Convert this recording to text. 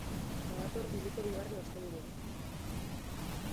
Badator urriko bigarren asteburua.